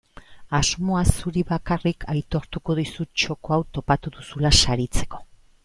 Asmoa zuri bakarrik aitortuko dizut txoko hau topatu duzula saritzeko.